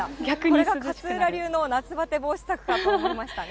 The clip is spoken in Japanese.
これが勝浦流の夏バテ防止策かと思いましたね。